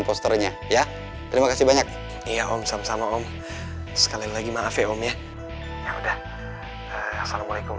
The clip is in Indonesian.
posternya ya terima kasih banyak iya om sama sama om sekali lagi maaf ya om ya udah assalamualaikum